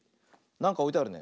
なんかおいてあるね。